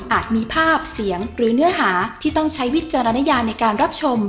มีภาพเสียงหรือเนื้อหาที่ต้องใช้วิจารณญาในการรับชม